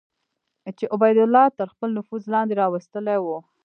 چې عبیدالله تر خپل نفوذ لاندې راوستلي وو.